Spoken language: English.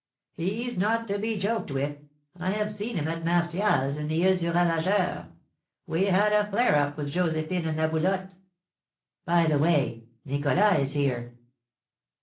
"He's not to be joked with. I have seen him at Martial's, in the Isle du Ravageur. We had a flare up with Josephine and La Boulotte." "By the way, Nicholas is here."